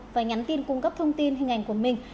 và nhắn tin cung cấp thông tin hình ảnh của mình